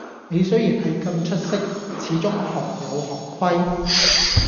你雖然系咁出色，始終行有行規